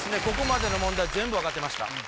ここまでの問題全部分かってました